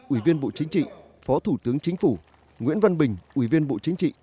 ủy viên bộ chính trị phó thủ tướng chính phủ nguyễn văn bình ủy viên bộ chính trị